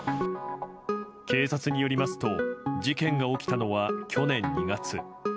警察によりますと事件が起きたのは去年２月。